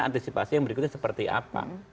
antisipasi yang berikutnya seperti apa